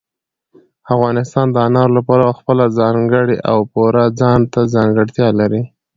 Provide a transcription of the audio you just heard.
افغانستان د انارو له پلوه خپله ځانګړې او پوره ځانته ځانګړتیا لري.